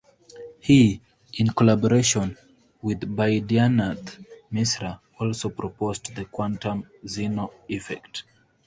He, in collaboration with Baidyanath Misra, also proposed the quantum Zeno effect.